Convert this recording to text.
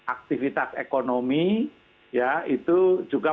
aktivitas ekonomi ya itu juga